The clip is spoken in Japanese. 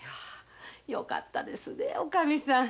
よかったねおかみさん。